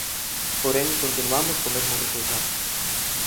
Porén continuamos co mesmo resultado.